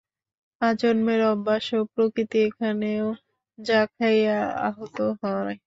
আজন্মের অভ্যাস ও প্রকৃতি ওখানেও ঘা খাইয়া আহত হয়।